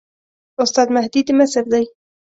استاد مهدي د مصر دی.